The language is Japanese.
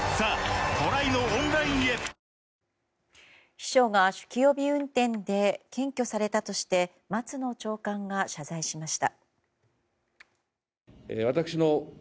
秘書が酒気帯び運転で検挙されたとして松野長官が謝罪しました。